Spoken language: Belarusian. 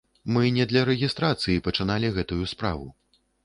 Мы не для рэгістрацыі пачыналі гэтую справу.